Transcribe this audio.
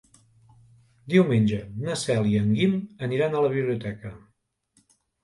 Diumenge na Cel i en Guim aniran a la biblioteca.